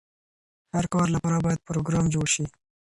هر کار لپاره باید پروګرام جوړ شي.